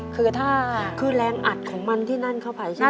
คือถ้าคือแรงอัดของมันที่นั่นเข้าไปใช่ไหม